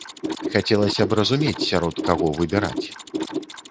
Хацелася б разумець, сярод каго выбіраць.